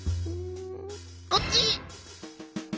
こっち！